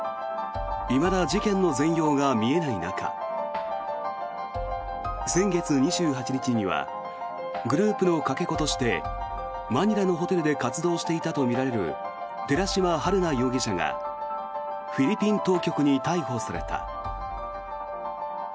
いまだ事件の全容が見えない中先月２８日にはグループのかけ子としてマニラのホテルで活動していたとみられる寺島春奈容疑者がフィリピン当局に逮捕された。